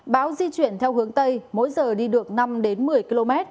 bão di chuyển theo hướng tây mỗi giờ đi được năm đến một mươi km